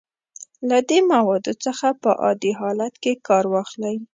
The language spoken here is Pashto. له دې موادو څخه په عادي حالت کې کار واخلئ.